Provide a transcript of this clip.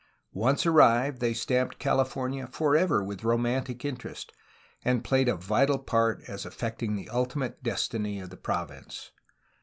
Once arrived, they stamped California forever with romantic interest, and played a vital part as affecting the ultimate destiny of the province.